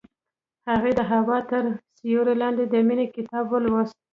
هغې د هوا تر سیوري لاندې د مینې کتاب ولوست.